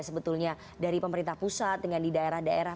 sebetulnya dari pemerintah pusat dengan di daerah daerah